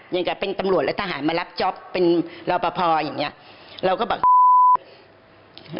อย่างกับเป็นตำรวจและทหารมารับจ๊อปเป็นรอปภอย่างเงี้ยเราก็แบบ